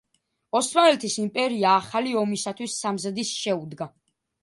ოსმალეთის იმპერია ახალი ომისათვის სამზადისს შეუდგა.